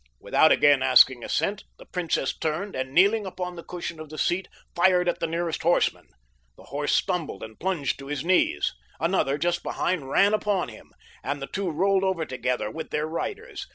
Without again asking assent the princess turned and, kneeling upon the cushion of the seat, fired at the nearest horseman. The horse stumbled and plunged to his knees. Another, just behind, ran upon him, and the two rolled over together with their riders.